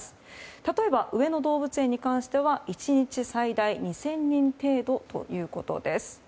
例えば、上野動物園に関しては１日最大２０００人程度ということです。